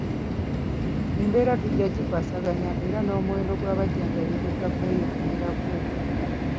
Embeera tujja kugikwasaganya era n'omuwendo gw'abajanjabi gujja kweyongerako